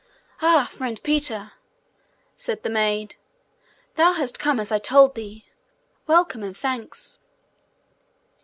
'Ah, friend Peter!' said the maid; 'thou hast come as I told thee! Welcome and thanks!'